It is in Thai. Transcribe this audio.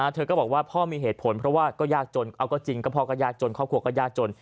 เธอก็บอกว่าพ่อมีเหตุผลเพราะว่าก็ยากจนเอาก็จริงก็พ่อก็ยากจนครอบครัวก็ยากจน